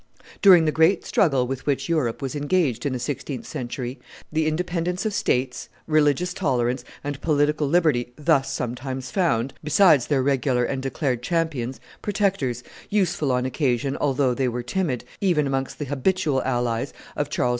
During the great struggle with which Europe was engaged in the sixteenth century, the independence of states, religious tolerance, and political liberty thus sometimes found, besides their regular and declared champions, protectors, useful on occasion although they were timid, even amongst the habitual allies of Charles V.